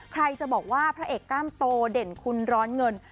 ใครจะบอกว่าพระเอกกล้ามโตเด่นคุณร้อนเงิน